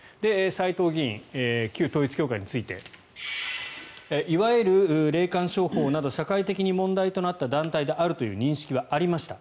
斎藤議員、旧統一教会についていわゆる霊感商法など社会的に問題となった団体であるとの認識はありました。